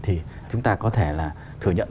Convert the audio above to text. thì chúng ta có thể là thừa nhận